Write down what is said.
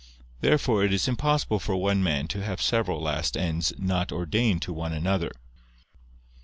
Therefore it is impossible for one man to have several last ends not ordained to one another.